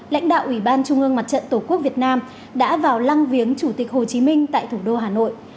lãnh đạo ủy ban trung ương mặt trận tổ quốc việt nam đã vào lăng viếng chủ tịch hồ chí minh tại thủ đô hà nội